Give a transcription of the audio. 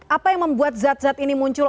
apa yang membuat zat zat ini muncul